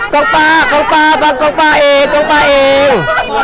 กล้องป้ากล้องป้าบังกล้องป้าเองกล้องป้าเอง